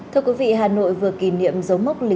thưa quý vị hà nội vừa kỷ niệm giống như thế này